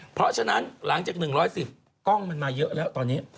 เพราะฉะนั้นหลังจาก๑๑๐กล้องมันมาเยอะแล้วตอนนี้